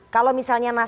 kalau misalnya nasib